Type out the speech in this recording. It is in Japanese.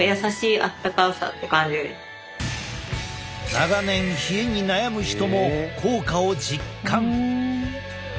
長年冷えに悩む人も効果を実感。